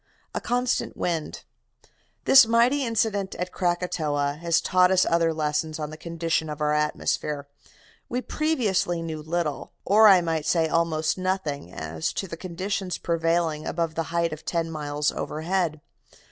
A CONSTANT WIND "This mighty incident at Krakatoa has taught us other lessons on the constitution of our atmosphere. We previously knew little, or I might say almost nothing, as to the conditions prevailing above the height of ten miles overhead.